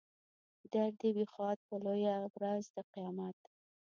در دې وي ښاد په لویه ورځ د قیامت.